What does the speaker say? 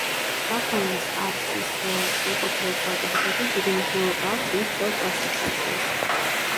საქონლის არსის სრულყოფილად გაგებისათვის დიდი მნიშვნელობა აქვს მის სწორ კლასიფიკაციას.